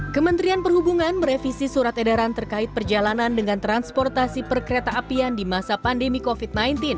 kementerian perhubungan merevisi surat edaran terkait perjalanan dengan transportasi perkereta apian di masa pandemi covid sembilan belas